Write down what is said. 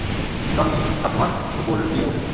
Johnny, সব তোমার উপর গিয়ে বসেছে।